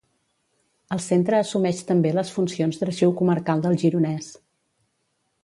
El centre assumeix també les funcions d’Arxiu Comarcal del Gironès.